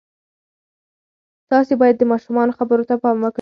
تاسې باید د ماشومانو خبرو ته پام وکړئ.